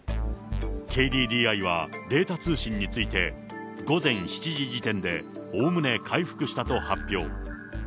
ＫＤＤＩはデータ通信について、午前７時時点でおおむね回復したと発表。